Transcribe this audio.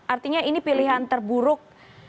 artinya ini pilihan terburuk